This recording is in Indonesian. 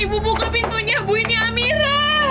ibu buka pintunya bu ini amira